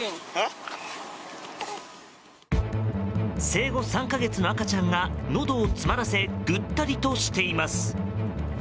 生後３か月の赤ちゃんがのどを詰まらせぐったりとしています。